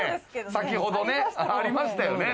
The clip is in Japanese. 先ほどねありましたよね。